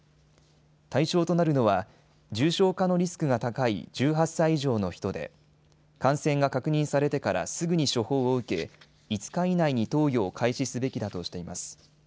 対象となるのは重症化のリスクが高い１８歳以上の人で感染が確認されてからすぐに処方を受け、５日以内に投与を開始すべきだとしています。